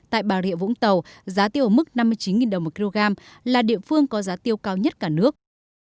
tại bà rịa vũng tàu giá tiêu ở mức năm mươi chín đồng một kg là địa phương có giá tiêu cao nhất cả nước